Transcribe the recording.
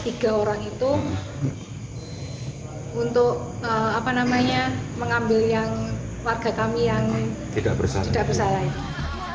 tiga orang itu untuk mengambil yang warga kami yang tidak bersalah itu